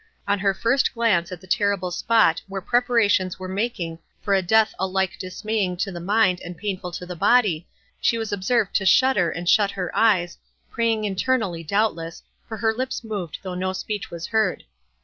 On her first glance at the terrible spot where preparations were making for a death alike dismaying to the mind and painful to the body, she was observed to shudder and shut her eyes, praying internally doubtless, for her lips moved though no speech was heard.